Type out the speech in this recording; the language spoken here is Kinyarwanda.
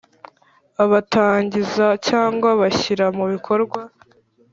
abatangiza cyangwa bashyira mu bikorwa